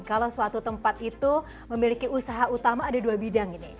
kalau suatu tempat itu memiliki usaha utama ada dua bidang ini